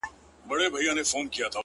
• نه مي ډلي دي لیدلي دي د کارګانو ,